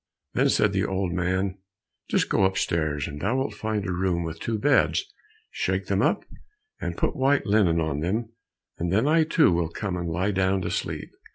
Then said the old man, "Just go upstairs, and thou wilt find a room with two beds, shake them up, and put white linen on them, and then I, too, will come and lie down to sleep."